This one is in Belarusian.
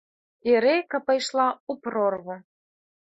І рэйка пайшла ў прорву.